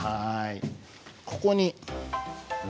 ここに。